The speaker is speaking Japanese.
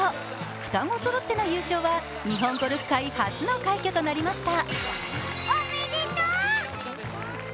双子そろっての優勝は日本ゴルフ界初の快挙となりました。